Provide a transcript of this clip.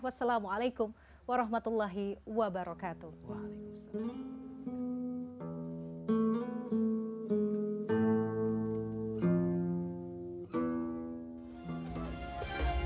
wassalamualaikum warahmatullahi wabarakatuh